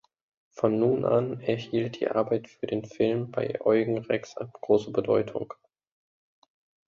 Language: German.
Von nun an erhielt die Arbeit für den Film bei Eugen Rex große Bedeutung.